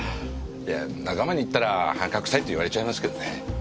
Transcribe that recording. いや仲間に言ったらはんかくさいって言われちゃいますけどね。